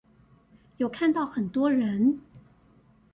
有看到很多人